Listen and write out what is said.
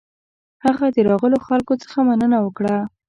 هغه د راغلو خلکو څخه مننه وکړه.